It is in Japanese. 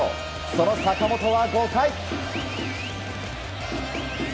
その坂本は、５回。